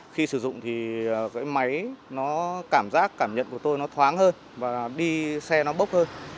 khi sử dụng thì cái máy nó cảm giác cảm nhận của tôi nó thoáng hơn và đi xe nó bốc hơi